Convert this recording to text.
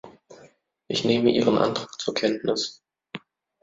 Ich nehme Ihren Antrag zur Kenntnis.